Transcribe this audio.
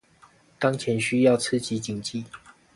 當前需要刺激經濟